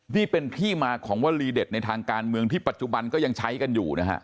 นี่เป็นที่มาของวลีเด็ดในทางการเมืองที่ปัจจุบันก็ยังใช้กันอยู่นะฮะ